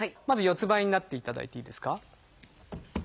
まず四つんばいになっていただいていいですか。